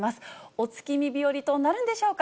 お月見日和となるんでしょうか。